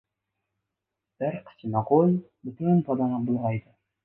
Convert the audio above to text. • Bir qichima qo‘y butun podani bulg‘aydi.